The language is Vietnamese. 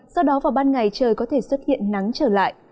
sau đó vào ban ngày trời có thể xuất hiện nắng trở lại